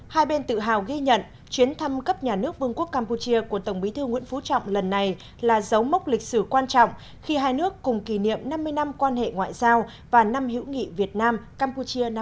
hai hai bên tự hào ghi nhận chuyến thăm cấp nhà nước vương quốc campuchia của tổng bí thư nguyễn phú trọng lần này là dấu mốc lịch sử quan trọng khi hai nước cùng kỷ niệm năm mươi năm quan hệ ngoại hợp